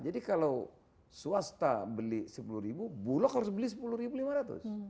jadi kalau swasta beli rp sepuluh bulog harus beli rp sepuluh lima ratus